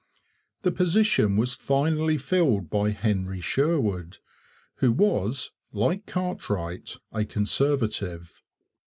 The position was finally filled by Henry Sherwood, who was, like Cartwright, a Conservative.